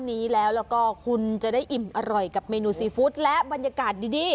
นี้แล้วแล้วก็คุณจะได้อิ่มอร่อยกับเมนูซีฟู้ดและบรรยากาศดี